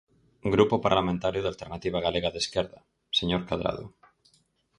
Grupo Parlamentario de Alternativa Galega de Esquerda, señor Cadrado.